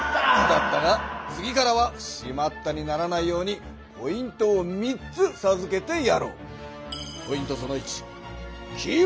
だったが次からは「しまった！」にならないようにポイントを３つさずけてやろう。